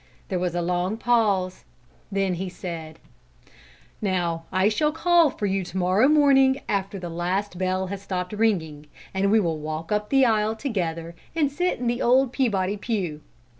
There was a long pause: then he said: "Now I shall call for you to morrow morning after the last bell has stopped ringing, and we will walk up the aisle together and sit in the old Peabody pew.